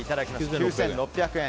９６００円。